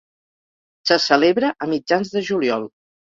Se celebra a mitjans de juliol.